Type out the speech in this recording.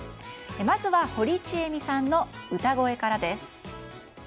まずは、堀ちえみさんの歌声からです。